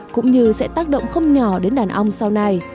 cũng như sẽ tác động không nhỏ đến đàn ong sau này